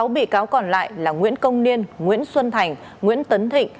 sáu bị cáo còn lại là nguyễn công niên nguyễn xuân thành nguyễn tấn thịnh